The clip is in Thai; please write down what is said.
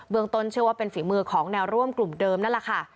ต้นเชื่อว่าเป็นฝีมือของแนวร่วมกลุ่มเดิมนั่นแหละค่ะ